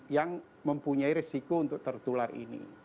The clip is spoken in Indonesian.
yang mempunyai resiko untuk tertular ini